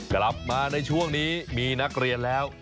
กลับมาในช่วงนี้มีนักเรียนแล้ว